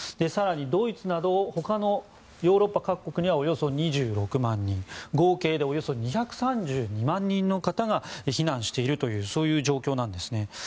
更に、ドイツなど他のヨーロッパ各国にはおよそ２６万人合計でおよそ２３２万人の方が避難しているという状況です。